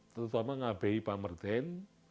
terutama ngabei pamerdain